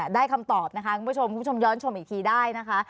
ได้คำตอบนะคะคุณผู้ชมย้อนชมอีกทีได้นะคะ